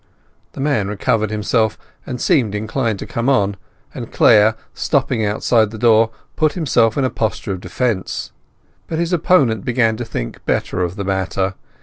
The man recovered himself, and seemed inclined to come on, and Clare, stepping outside the door, put himself in a posture of defence. But his opponent began to think better of the matter.